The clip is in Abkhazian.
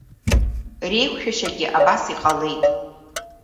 Реиқәшәашьагьы абас иҟалеит…